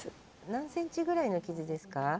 何センチぐらいの傷ですか？